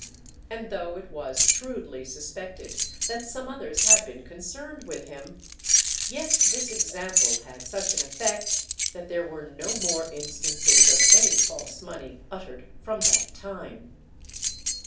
And though it was shrewdly suspected that some others had been concerned with him, yet this example had such an effect that there were no more instances of any false money uttered from that time.